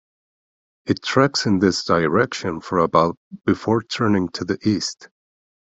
It treks in this direction for about before turning to the east.